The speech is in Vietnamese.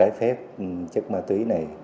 hãy phép chất ma túy này